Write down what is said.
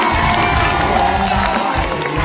เพื่อนรักไดเกิร์ต